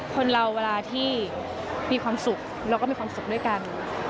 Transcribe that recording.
คนเราเวลาที่มีความสุขเราก็มีความสุขด้วยกัน